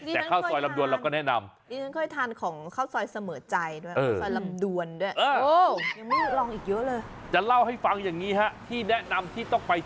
แต่ข้าวซอยลำดวนเราก็แนะนำ